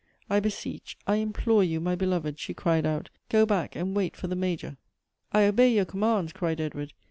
" I beseech, I implore you, my beloved," she cried out; "go back and wait for the Major." " I obey your commands," cried Edward.